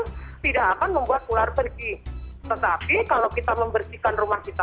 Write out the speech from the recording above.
karena yang bisa membuat ular itu pergi hanyalah kalau kita membersihkan rumah kita